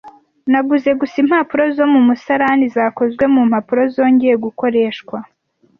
Naguze gusa impapuro zo mu musarani zakozwe mu mpapuro zongeye gukoreshwa.